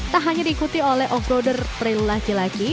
tak hanya diikuti oleh offroader prill laki laki